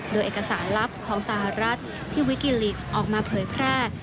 โดยเอกสารลับของสหรัฐที่วิกิลิสต์ออกมาเผยแพร่